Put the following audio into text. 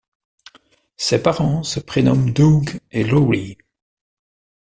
Ses parents se prénomment Doug et Laurie.